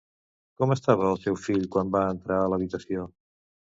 Com estava el seu fill quan va entrar a l'habitació?